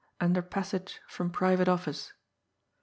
under passage from private office